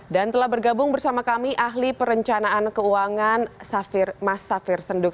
dan telah bergabung bersama kami ahli perencanaan keuangan mas safir senduk